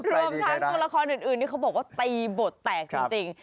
รวมทั้งตัวละครอื่นนี่เขาบอกว่าตีบทแตกจริง